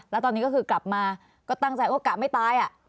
แล้วตอนนี้ก็คือกลับมาก็ตั้งใจว่ากะไม่ตาย